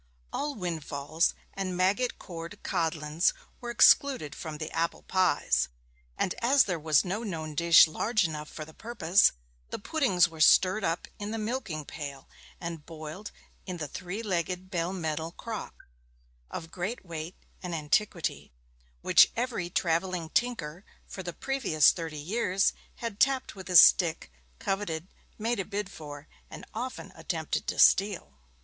All windfalls and maggot cored codlins were excluded from the apple pies; and as there was no known dish large enough for the purpose, the puddings were stirred up in the milking pail, and boiled in the three legged bell metal crock, of great weight and antiquity, which every travelling tinker for the previous thirty years had tapped with his stick, coveted, made a bid for, and often attempted to steal.